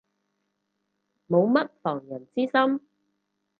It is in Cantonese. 冇乜防人之心